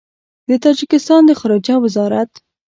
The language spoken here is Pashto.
د تاجکستان د خارجه وزارت